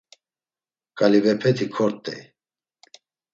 Ǩalivepeti kort̆ey.